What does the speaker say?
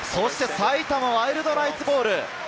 埼玉ワイルドナイツボール。